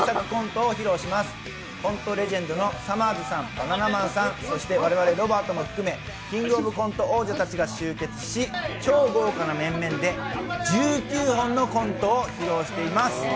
コントレジェンドのさまぁずさん、バナナマンさん、そして我々ロバートも含め「キングオブコント」王者たちが集結し超豪華な面々で１９本のコントを披露しています。